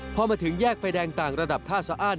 พอมาถึงแยกไฟแดงต่างระดับท่าสะอ้าน